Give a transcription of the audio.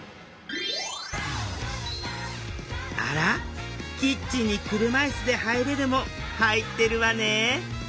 あら「キッチンに車いすで入れる」も入ってるわね